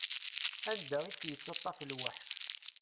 Anda i tt-yettaṭṭaf lweḥc.